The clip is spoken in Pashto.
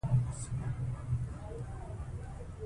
که کار وي نو قیاس وي.